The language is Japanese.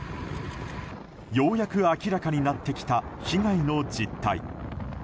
ようやく明らかになってきた被害の実態。